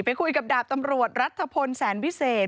ไปคุยกับดาบตำรวจรัฐพลแสนวิเศษ